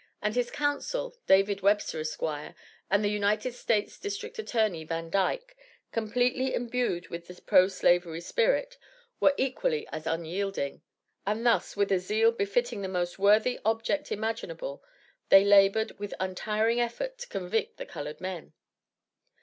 And his counsel, David Webster, Esq., and the United States District Attorney, Vandyke, completely imbued with the pro slavery spirit, were equally as unyielding. And thus, with a zeal befitting the most worthy object imaginable, they labored with untiring effort to convict the colored men.